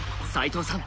齋藤さん